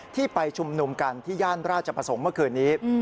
ที่ไปชุมนุมกันที่ย่านราชประสงค์เมื่อคืนนี้